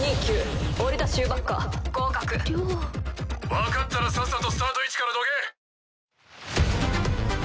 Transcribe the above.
分かったらさっさとスタート位置からどけ。